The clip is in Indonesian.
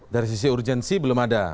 dari sisi urgensi belum ada